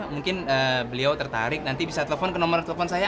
mungkin beliau tertarik nanti bisa telepon ke nomor telepon saya